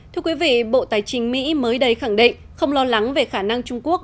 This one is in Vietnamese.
thưa quý vị bộ tài chính mỹ mới đây khẳng định không lo lắng về khả năng trung quốc